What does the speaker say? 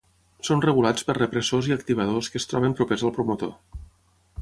Són regulats per repressors i activadors que es troben propers al promotor.